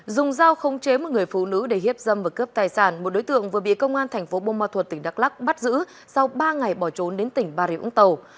dùng dao không chế một người phụ nữ để hiếp dâm và cướp tài sản một đối tượng vừa bị công an thành phố bô ma thuật tỉnh đắk lắc bắt giữ sau ba ngày bỏ trốn đến tỉnh bà rịa úng tàu